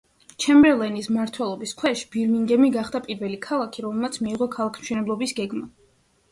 ჩემბერლენის „მმართველობის ქვეშ“, ბირმინგემი გახდა პირველი ქალაქი, რომელმაც მიიღო ქალაქთმშენებლობის გეგმა.